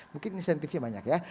mungkin insentifnya banyak ya